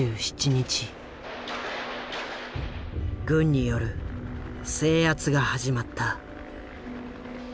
軍による制圧が始まった。